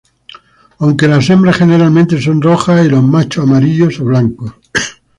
Aunque las hembras generalmente son rojas y los machos amarillos o blancos.